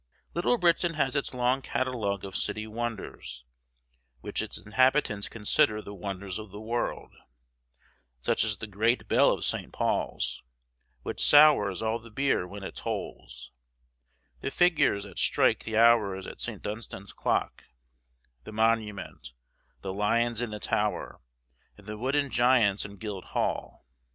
Little Britain has its long catalogue of city wonders, which its inhabitants consider the wonders of the world, such as the great bell of St. Paul's, which sours all the beer when it tolls; the figures that strike the hours at St. Dunstan's clock; the Monument; the lions in the Tower; and the wooden giants in Guildhall.